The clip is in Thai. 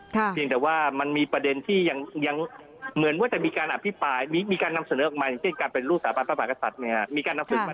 จริงแต่ว่ามันมีประเด็นที่ยังเหมือนว่าจะมีการอภิปรายมีการนำเสนอออกมาอย่างเช่นการเป็นลูกสามารถประมาณกษัตริย์มีการนำเสนอออกมา